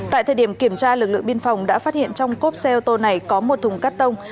tại thời điểm kiểm tra lực lượng biên phòng đã phát hiện trong cốp xe ô tô này có một thùng cắt tông